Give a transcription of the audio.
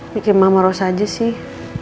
pikir mama rosa aja sih